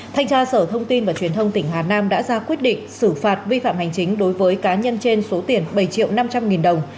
thanh tra sở thông tin và truyền thông tỉnh hà nam đã ra quyết định xử phạt vi phạm hành chính đối với cá nhân trên số tiền bảy triệu năm trăm linh nghìn đồng